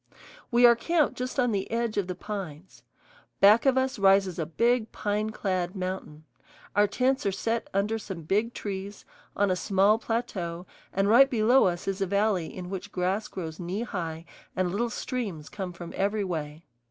We are camped just on the edge of the pines. Back of us rises a big pine clad mountain; our tents are set under some big trees, on a small plateau, and right below us is a valley in which grass grows knee high and little streams come from every way.